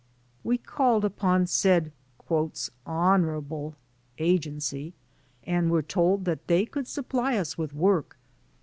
We called upon said "honorable" agency and were told that they could supply us with work.